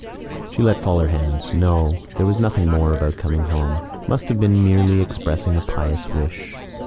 ..." She let fall her hands. No: there was nothing more about coming home. Must have been merely expressing a pious wish.